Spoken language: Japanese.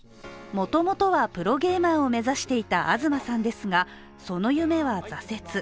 もともとはプロゲーマーを目指していた東さんですがその夢は挫折。